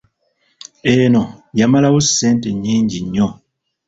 Eno yamalawo ssente nnyingi nnyo.